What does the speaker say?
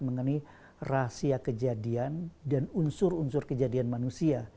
mengenai rahasia kejadian dan unsur unsur kejadian manusia